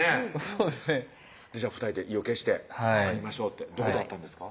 そうですね２人で意を決して「会いましょう」ってどこで会ったんですか？